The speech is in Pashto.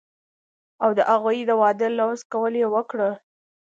او د هغوي د وادۀ لوظ قول يې وکړۀ